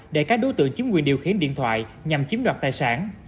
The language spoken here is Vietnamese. để các đối tượng chiếm quyền điều khiển điện thoại nhằm chiếm đoạt tài sản